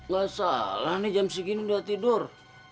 gak salah nih jam segini udah tidur